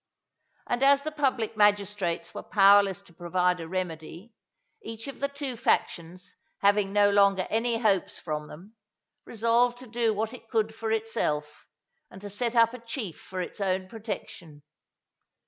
And as the public magistrates were powerless to provide a remedy, each of the two factions having no longer any hopes from them, resolved to do what it could for itself, and to set up a chief for its own protection.